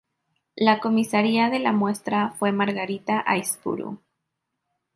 La comisaría de la muestra fue Margarita Aizpuru.